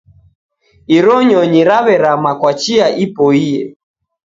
Iro nyonyi raw'erama kwa chia ipoie.